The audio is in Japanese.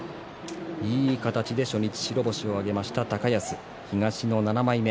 いい形で白星を挙げました東の７枚目。